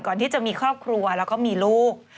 ก่อนที่จะมีครอบครัวแล้วก็มีลูก